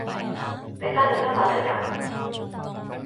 你單人匹馬嚟呀？